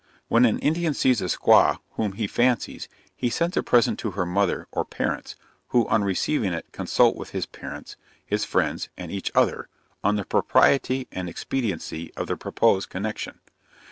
When an Indian sees a squaw whom he fancies, he sends a present to her mother or parents, who on receiving it consult with his parents, his friends, and each other, on the propriety and expediency of the proposed connexion.